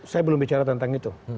saya belum bicara tentang itu